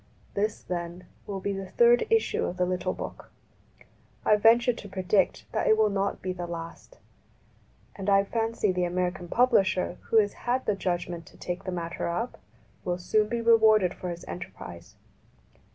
This, then, will be the third issue of the little book. I venture to predict that it will not be the last ; and I fancy the American publisher who has had the judg ment to take the matter up will soon be rewarded for his enterprise.